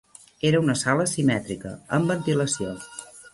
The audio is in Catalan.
Era una sala simètrica, amb ventilació